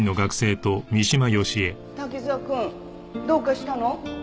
滝沢くんどうかしたの？